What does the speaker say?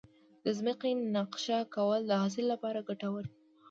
د ځمکې نقشه کول د حاصل لپاره ګټور دي.